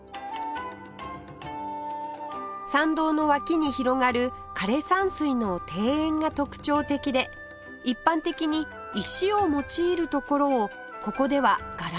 参道の脇に広がる枯山水の庭園が特徴的で一般的に石を用いるところをここではガラスで表現